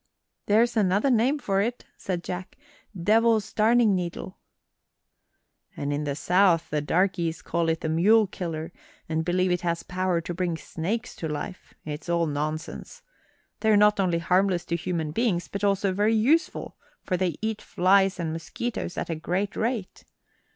"There's another name for it," said Jack "devil's darning needle." "And in the South the darkies call it the mule killer, and believe it has power to bring snakes to life. It's all nonsense. They are not only harmless to human beings but also very useful, for they eat flies and mosquitoes at a great rate.